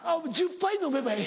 １０杯飲めばええ。